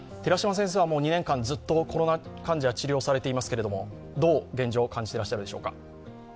もう２年間ずっとコロナ患者を治療されていますけどどう感じていらっしゃいますでしょうか？